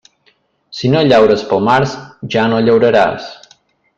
Si no llaures pel març, ja no llauraràs.